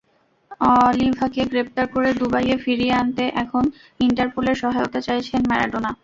অলিভাকে গ্রেপ্তার করে দুবাইয়ে ফিরিয়ে আনতে এখন ইন্টারপোলের সহায়তা চাইছেন ম্যারাডোনা।